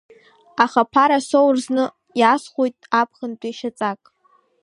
Аха ԥарак соур зны, иаасхәоит аԥхынтәи шьаҵак.